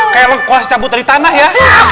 kayak lengkuas cabut dari tanah ya